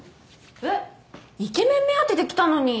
えっイケメン目当てで来たのに。